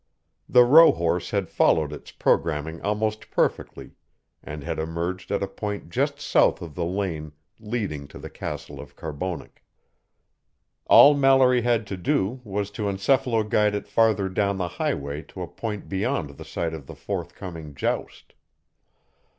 The rohorse had followed its programming almost perfectly and had emerged at a point just south of the lane leading to the castle of Carbonek. All Mallory had to do was to encephalo guide it farther down the highway to a point beyond the site of the forthcoming joust.